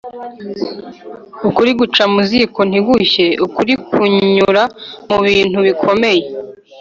Ukuri guca mu ziko ntugushye ukuri kunyura mu bintu bikomeye